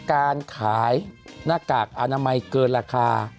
การขายหน้ากากอนามัยเกินราคา